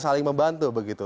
saling membantu begitu